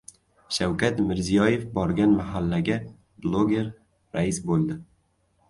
Shavkat Mirziyoyev borgan mahallaga bloger rais bo‘ldi